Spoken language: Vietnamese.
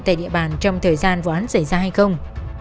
tại địa bàn trong thời gian vụ án xảy ra hay không